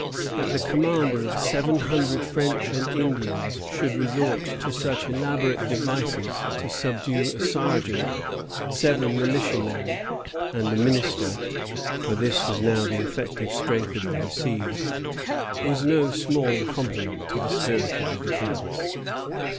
That the commander of seven hundred French and Indians should resort to such elaborate devices to subdue a sergeant, seven militia men, and a minister, for this was now the effective strength of the besieged, was no small compliment to the spirit of the defence.